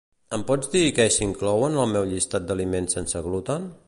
Em pots dir què s'inclou en el meu llistat d'aliments sense gluten?